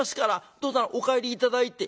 どうぞお帰り頂いて」。